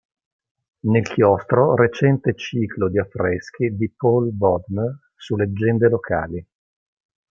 Nel chiostro recente ciclo di affreschi di Paul Bodmer su leggende locali.